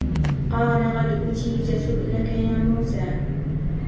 قَالَ قَدْ أُوتِيتَ سُؤْلَكَ يَا مُوسَى